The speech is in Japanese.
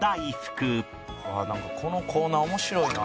「なんかこのコーナー面白いな」